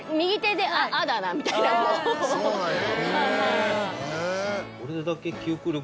そうなんや。